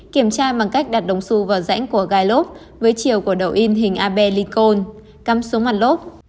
kiểm tra bằng cách đặt đồng su vào rãnh của gai lốp với chiều của đầu in hình ab lincoln cắm xuống mặt lốp